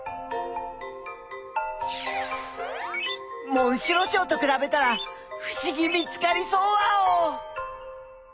モンシロチョウとくらべたらふしぎ見つかりそうワオ！